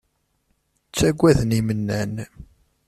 Ttagaden imennan.